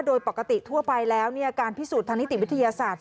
โดยปกติทั่วไปแล้วการพิสูจน์ทางนิติวิทยาศาสตร์